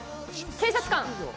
警察官。